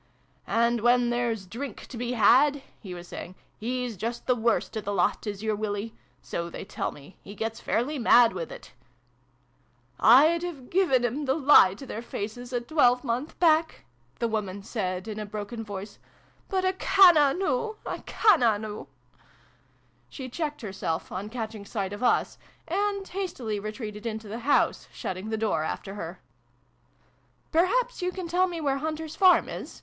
and when there's drink to be had," he was saying, " he's just the worst o' the lot, is your Willie. So they tell me. He gets fairly mad wi' it !" "I'd have given 'em the lie to their faces, a twelvemonth back !" the woman said in a broken voice. " But a' canna noo ! A' canna noo !" She checked herself, on catching sight of us, and hastily retreated into the house, shutting the door after her. " Perhaps you can tell me where Hunter's farm is